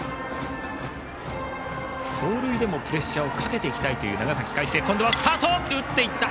走塁でもプレッシャーをかけていきたい長崎・海星。